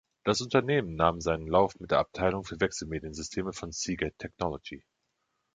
Das Unternehmen nahm seinen Lauf mit der Abteilung für Wechselmediensysteme von Seagate Technology.